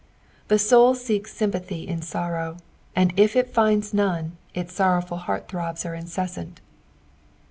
The soul seeks sympathy in sorrow, and if it flnds none, its sorrowful heart throbs are incessant.